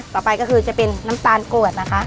ต่อไปก็คือจะเป็นน้ำตาลกรวดนะคะ